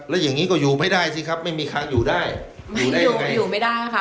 แล้วอย่างงี้ก็อยู่ไม่ได้สิครับไม่มีทางอยู่ได้อยู่กันอยู่ไม่ได้ค่ะ